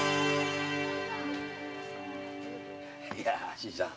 新さん